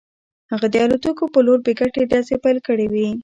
هغه د الوتکو په لور بې ګټې ډزې پیل کړې وې